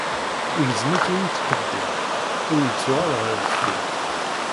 Igzem-itt ur yettqeddim, ur yettuɣal ɣer deffir.